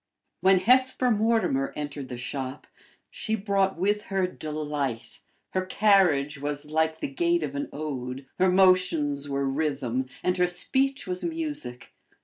When Hesper Mortimer entered the shop, she brought with her delight; her carriage was like the gait of an ode; her motions were rhythm; and her speech was music.